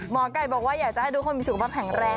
หมอไก่บอกว่าอยากจะให้ทุกคนมีสุขภาพแข็งแรง